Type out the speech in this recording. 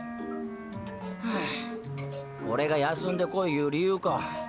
はこれが休んでこいいう理由か。